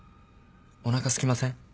おなかすきません？